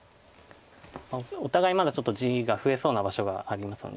お互いまだちょっと地が増えそうな場所がありますので。